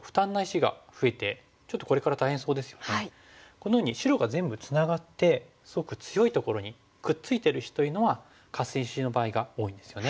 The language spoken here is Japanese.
このように白が全部ツナがってすごく強いところにくっついてる石というのはカス石の場合が多いんですよね。